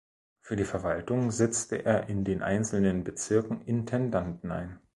Für die Verwaltung setzte er in den einzelnen Bezirken Intendanten ein.